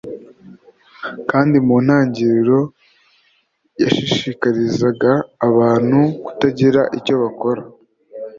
kandi mu ntangiriro yashishikarizaga abantu kutagira icyo bakora